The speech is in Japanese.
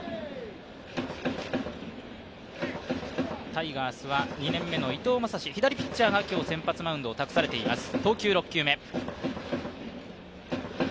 タイガースは２年目の伊藤将司、左ピッチャーが今日は先発マウンドを託されています。